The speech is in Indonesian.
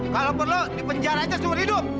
kalau perlu di penjara aja seluruh hidup